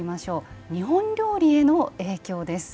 「日本料理への影響」です。